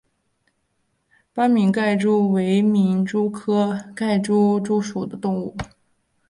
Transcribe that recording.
斑皿盖蛛为皿蛛科皿盖蛛属的动物。